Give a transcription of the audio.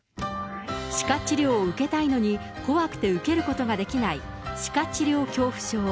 歯科治療を受けたいのに、怖くて受けることができない、歯科治療恐怖症。